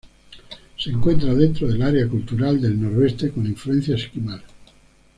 Se encuentran dentro del área cultural del Noroeste con influencia esquimal.